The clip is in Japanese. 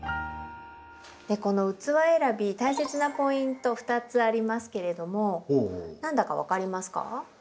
この器選び大切なポイント２つありますけれども何だか分かりますか？